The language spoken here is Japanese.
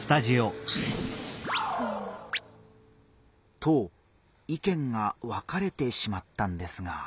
と意見が分かれてしまったんですが。